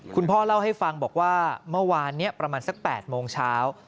คุณพ่อเล่าให้ฟังบอกว่าเมื่อวานนี้ประมาณสัก๘โมงเช้า